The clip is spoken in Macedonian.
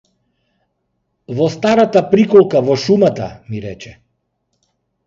Во старата приколка во шумата ми рече.